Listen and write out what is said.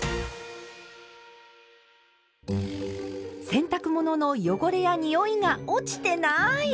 洗濯物の汚れやにおいが落ちてない！